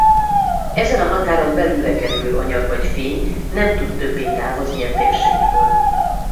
Ezen a határon belülre kerülő anyag vagy fény nem tud többé távozni a térségből.